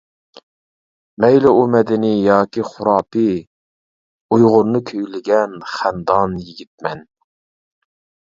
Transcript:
مەيلى ئۇ مەدەنىي ياكى خۇراپىي، ئۇيغۇرنى كۈيلىگەن خەندان يىگىتمەن.